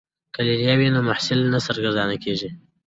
که لیلیه وي نو محصل نه سرګردانه کیږي.